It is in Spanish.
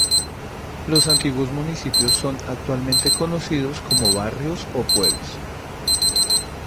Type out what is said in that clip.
Los antiguos municipios son actualmente conocidos como barrios o pueblos.